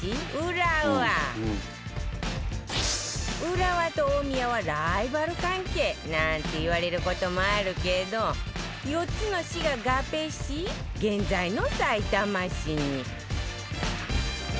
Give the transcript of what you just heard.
浦和と大宮はライバル関係なんて言われる事もあるけど４つの市が合併し現在のさいたま市に